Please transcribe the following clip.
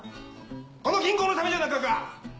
この銀行のためじゃなかか！